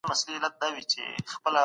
موږ هر وخت يو ځای کار کوو.